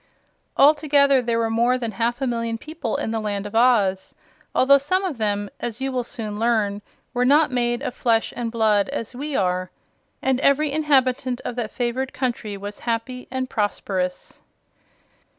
Altogether there were more than half a million people in the Land of Oz although some of them, as you will soon learn, were not made of flesh and blood as we are and every inhabitant of that favored country was happy and prosperous.